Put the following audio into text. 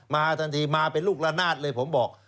มาทันทีมาเป็นลูกละนาดเลยผมบอก